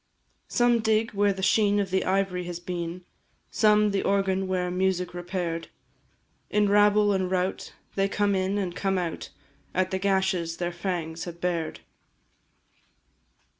Some dig where the sheen of the ivory has been, Some, the organ where music repair'd; In rabble and rout they come in and come out At the gashes their fangs have bared.